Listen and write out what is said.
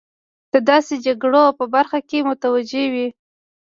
د داسې جګړو په برخه کې متوجه وي.